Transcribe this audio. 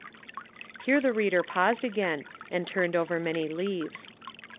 '" Here the reader paused again, and turned over many leaves.